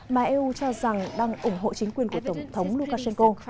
mà eu cho rằng đang ủng hộ chính quyền của tổng thống lukashenko